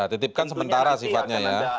dititipkan sementara sifatnya ya